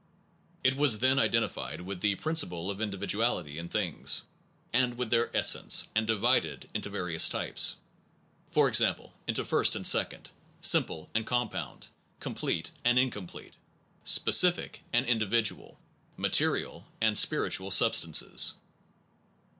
It was then identified with the principle of individuality in things, and with their essence, and divided into va rious types, for example into first and second, simple and compound, complete and incom plete, specific and individual, material and spiritual substances.